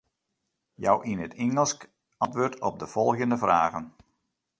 Jou yn it Ingelsk antwurd op de folgjende fragen.